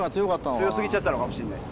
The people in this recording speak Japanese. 強すぎちゃったのかもしんないです